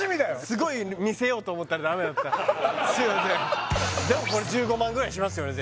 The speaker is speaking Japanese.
すごいでもこれ１５万ぐらいしますよね